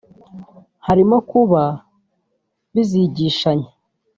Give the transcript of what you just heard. harimo kuba bizigishanya